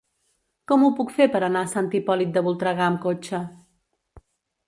Com ho puc fer per anar a Sant Hipòlit de Voltregà amb cotxe?